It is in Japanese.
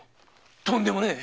とんでもねぇ！